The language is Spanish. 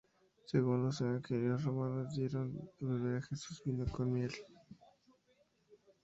Según los Evangelios los romanos dieron de beber a Jesús vino con hiel.